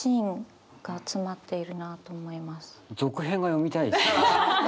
続編が読みたいですよね。